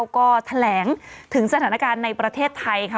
ก็แถลงถึงสถานการณ์ในประเทศไทยค่ะ